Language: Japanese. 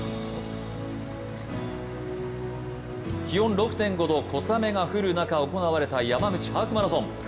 気温６．５度、小雨の降る中行われた山口ハーフマラソン。